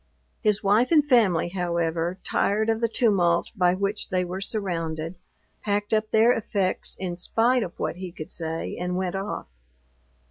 His wife and family, however, tired of the tumult by which they were surrounded, packed up their effects in spite of what he could say, and went off.